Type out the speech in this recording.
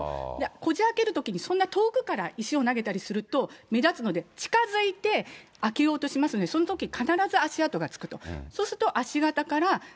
こじあけるときに、そんな遠くから石を投げたりすると目立つので近づいて開けようとしますよね、そのとき、必ず足跡がつくと。